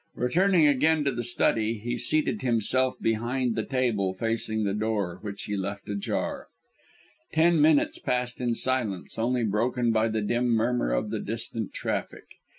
Returning again to the study he seated himself behind the table, facing the door which he left ajar. Ten minutes passed in silence only broken by the dim murmur of the distant traffic.